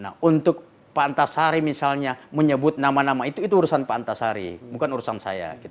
nah untuk pak antasari misalnya menyebut nama nama itu urusan pak antasari bukan urusan saya